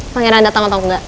pangeran datang atau enggak